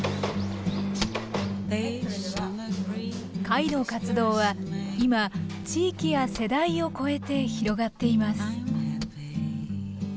会の活動は今地域や世代を超えて広がっています